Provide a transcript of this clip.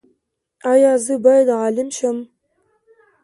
ایا زه باید عالم شم؟